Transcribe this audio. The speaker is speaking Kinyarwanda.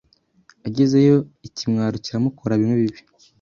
Agezeyo ikimwaro kiramukora bimwe bibi